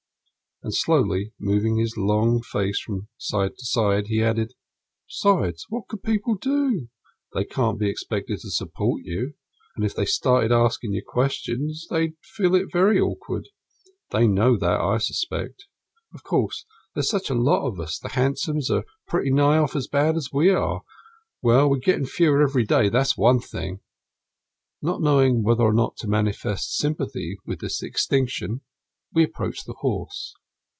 And, slowly moving his long face from side to side, he added: "Besides, what could people do? They can't be expected to support you; and if they started askin' you questions they'd feel it very awkward. They know that, I suspect. Of course, there's such a lot of us; the hansoms are pretty nigh as bad off as we are. Well, we're gettin' fewer every day, that's one thing." Not knowing whether or no to manifest sympathy with this extinction, we approached the horse.